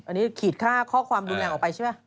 อันนี้ขีดค่าข้อความรุนแรงออกไปใช่ไหม